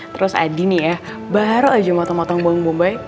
terus adi nih ya baru aja motong motong bawang bombay